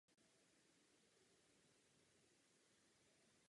Na sněmu byl členem poslaneckého klubu staročeské strany.